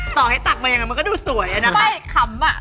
ต่อให้ตักมายังไงก็ดูมึงดูสวยนะครับ